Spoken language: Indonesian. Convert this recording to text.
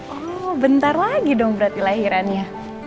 oh bentar lagi dong berarti lahirannya